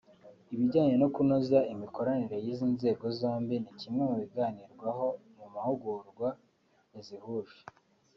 Ibijyanye no kunoza imikoranire y’izi nzego zombi ni kimwe mu biganirwaho mu mahugurwa yazihuje